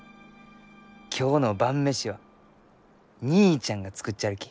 今日の晩飯は義兄ちゃんが作っちゃるき。